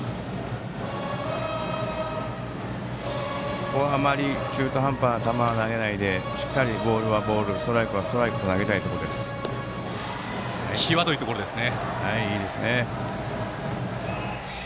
ここはあまり中途半端な球は投げないでしっかりボールはボールストライクはストライクと際どいところでした。